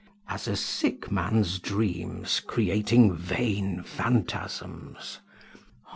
["As a sick man's dreams, creating vain phantasms." Hor.